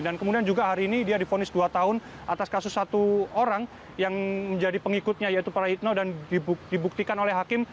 dan kemudian juga hari ini dia difonis dua tahun atas kasus satu orang yang menjadi pengikutnya yaitu para hitno dan dibuktikan oleh hakim